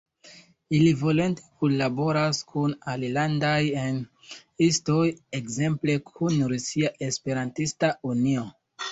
Ili volonte kunlaboras kun alilandaj E-istoj, ekzemple kun Rusia Esperantista Unio.